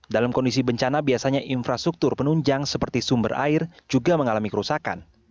dalam kondisi bencana biasanya infrastruktur penunjang seperti sumber air juga mengalami kerusakan